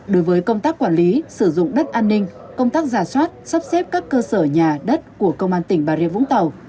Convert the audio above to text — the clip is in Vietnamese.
đối với công tác quản lý sử dụng đất an ninh công tác giả soát sắp xếp các cơ sở nhà đất của công an tỉnh bà rịa vũng tàu